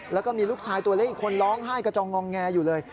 แล้วก็มีลูกชายตัวเล็กอีกคนร้องไห้กระจองงองแงอยู่เลย